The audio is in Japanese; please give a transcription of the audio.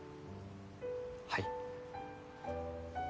はい。